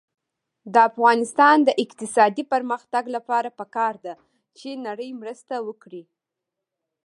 د افغانستان د اقتصادي پرمختګ لپاره پکار ده چې نړۍ مرسته وکړي.